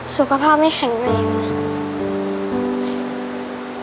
สุขภาพไม่แข็งเลยนะ